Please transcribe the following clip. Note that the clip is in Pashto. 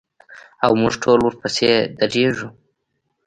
او موږ ټول ورپسې درېږو.